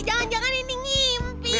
jangan jangan ini mimpi